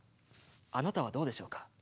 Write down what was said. あなたはどうでしょうか？